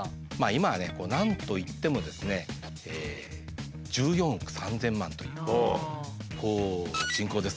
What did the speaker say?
今はね何といってもですね１４億３，０００万という人口ですね。